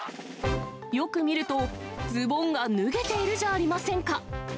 よく見ると、ズボンが脱げているじゃありませんか。